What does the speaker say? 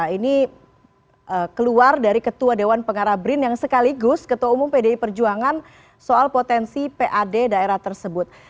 ini keluar dari ketua dewan pengarah brin yang sekaligus ketua umum pdi perjuangan soal potensi pad daerah tersebut